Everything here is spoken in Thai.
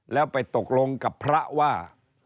แล้วไปตกลงกับพระว่า